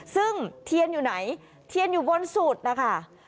ซึ่งเทียนอยู่ไหนเทียนอยู่บนสุดนะคะ